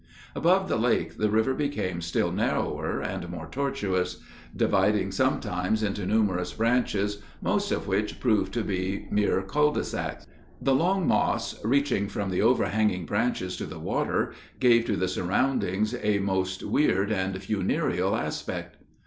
Above the lake the river became still narrower and more tortuous, dividing sometimes into numerous branches, most of which proved to be mere culs de sac. The long moss, reaching from the overhanging branches to the water, gave to the surroundings a most weird and funereal aspect.